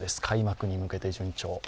開幕に向けて順調。